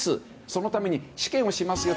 そのために試験をしますよ